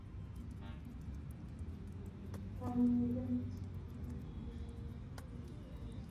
আর আমি ওদের মাঝে প্রতিদিন মনুষ্যত্বের ভালো দিকটা দেখি।